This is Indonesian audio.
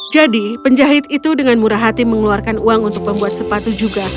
jadi penjahit itu dengan murah hati mengeluarkan uang untuk membuat sepatu juga